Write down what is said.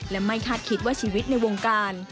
และไม่คาดคิดว่าชีวิตในวงการ